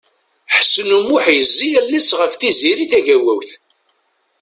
Ḥsen U Muḥ yezzi allen-is ɣef Tiziri Tagawawt.